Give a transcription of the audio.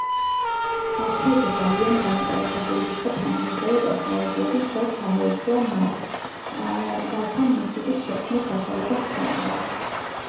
ფრეზე ძალიან დაინტერესებული იყო თანამედროვე ტექნოლოგიებით და დაეუფლა მათ, რათა მუსიკის შექმნის საშუალება ჰქონოდა.